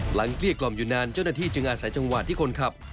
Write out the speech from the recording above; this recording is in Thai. เกลี้ยกล่อมอยู่นานเจ้าหน้าที่จึงอาศัยจังหวะที่คนขับ